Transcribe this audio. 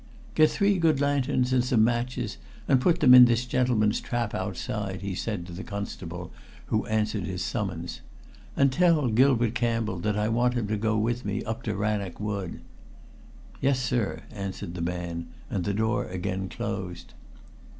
"Get three good lanterns and some matches, and put them in this gentleman's trap outside," he said to the constable who answered his summons. "And tell Gilbert Campbell that I want him to go with me up to Rannoch Wood." "Yes, sir," answered the man; and the door again closed.